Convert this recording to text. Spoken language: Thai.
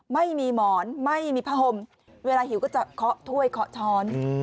ไม่มีหมอนไม่มีผ้าห่มเวลาหิวก็จะเคาะถ้วยเคาะช้อน